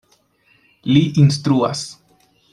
Li instruas.